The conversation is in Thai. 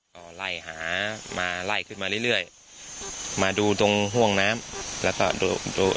ก็ไล่หามาไล่ขึ้นมาเรื่อยเรื่อยมาดูตรงห่วงน้ำแล้วก็ดูดู